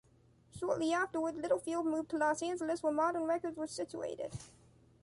Shortly afterwards, Littlefield moved to Los Angeles where "Modern Records" was situated.